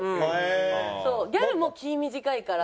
そうギャルも気ぃ短いから。